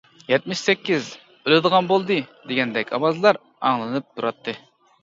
-يەتمىش سەككىز. ئۆلىدىغان بولدى، -دېگەندەك ئاۋازلار ئاڭلىنىپ تۇراتتى.